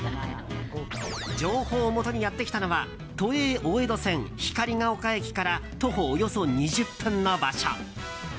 情報をもとにやってきたのは都営大江戸線光が丘駅から徒歩およそ２０分の場所。